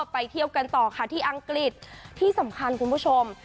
ไปเที่ยวกันต่อค่ะที่อังกฤษที่สำคัญคุณผู้ชม